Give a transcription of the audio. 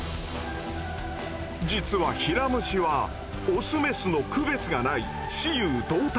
実はヒラムシはオスメスの区別がない雌雄同体。